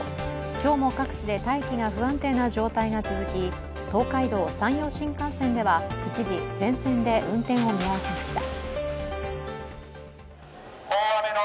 今日も各地で大気が不安定な状態が続き東海道・山陽新幹線では一時、全線で運転を見合わせました。